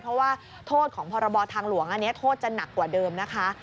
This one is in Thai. เพราะว่าโทษของพรบทางหลวงอันนี้โทษจะหนักกว่าเดิมนะคะ